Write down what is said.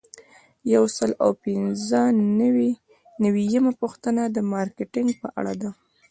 یو سل او پنځه نوي یمه پوښتنه د مارکیټینګ په اړه ده.